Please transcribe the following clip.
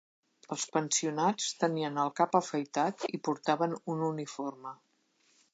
Els pensionats tenien el cap afaitat i portaven un uniforme.